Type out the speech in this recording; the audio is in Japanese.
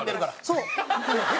そう。